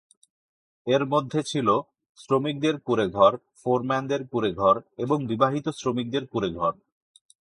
এর মধ্যে ছিল শ্রমিকদের কুঁড়েঘর, ফোরম্যানদের কুঁড়েঘর এবং বিবাহিত শ্রমিকদের কুঁড়েঘর।